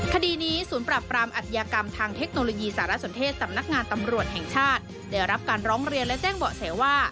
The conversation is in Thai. คดีนี้ศูนย์ปรับปรามอัธยากรรมทางเทคโนโลยีสารสนเทศสำนักงานตำรวจแห่งชาติได้รับการร้องเรียนและแจ้งเบาะแสว่า